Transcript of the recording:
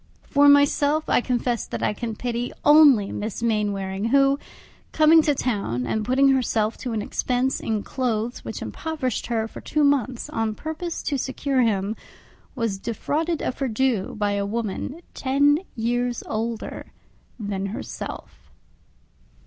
For myself, I confess that I can pity only Miss Mainwaring; who, coming to town, and putting herself to an expense in clothes which impoverished her for two years, on purpose to secure him, was defrauded of her due by a woman ten years older than herself.